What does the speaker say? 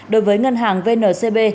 đối với ngân hàng vncb